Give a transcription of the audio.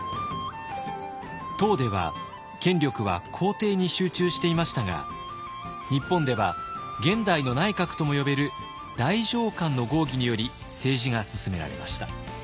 唐では権力は皇帝に集中していましたが日本では現代の内閣とも呼べる太政官の合議により政治が進められました。